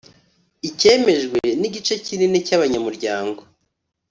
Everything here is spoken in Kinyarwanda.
Icyemejwe n’ igice kinini cy’ abanyamuryango